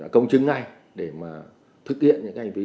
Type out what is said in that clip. công chứng ngay để mà thực hiện những cái hành vi